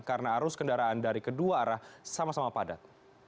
karena arus kendaraan dari kedua arah sama sama padat